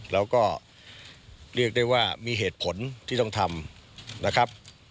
แล้วก็เรียกได้ว่ามีเหตุผลที่ต้องทำนะครับ